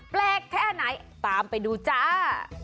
แปลกแค่ไหนตามไปดูจ้า